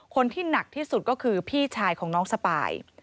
คนที่หนักที่สุดก็คือพี่ชายของน้องสปาย